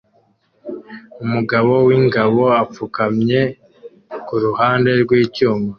Umugabo wingabo apfukamye kuruhande rwicyuma